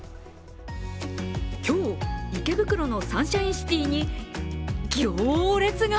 今日、池袋のサンシャインシティに行列が！